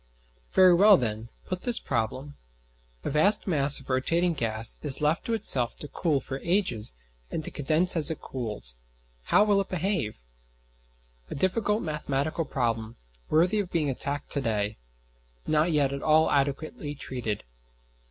Very well, then, put this problem: A vast mass of rotating gas is left to itself to cool for ages and to condense as it cools: how will it behave? A difficult mathematical problem, worthy of being attacked to day; not yet at all adequately treated.